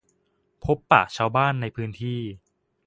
พบปะชาวบ้านในพื้นที่